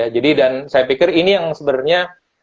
jadi dan saya pikir ini yang sebenarnya